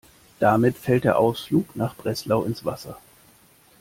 Damit fällt der Ausflug nach Breslau ins Wasser.